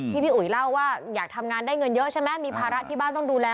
พี่อุ๋ยเล่าว่าอยากทำงานได้เงินเยอะใช่ไหมมีภาระที่บ้านต้องดูแล